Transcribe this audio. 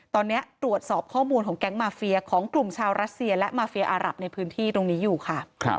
ตอนนี้ตรวจสอบข้อมูลของแก๊งมาเฟียของกลุ่มชาวรัสเซียและมาเฟียอารับในพื้นที่ตรงนี้อยู่ค่ะ